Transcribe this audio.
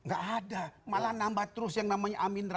gak ada malah nambah terus yang namanya aminul azhar